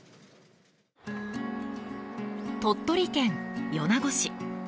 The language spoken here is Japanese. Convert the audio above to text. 鳥取県米子市。